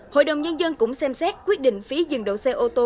hội đồng nhân dân cũng xem xét quyết định phí dừng độ xe ô tô